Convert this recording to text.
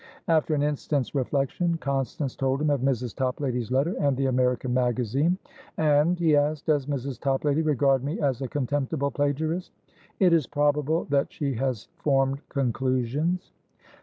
After an instant's reflection, Constance told him of Mrs. Toplady's letter and the American magazine. "And," he asked, "does Mrs. Toplady regard me as a contemptible plagiarist?" "It is probable that she has formed conclusions."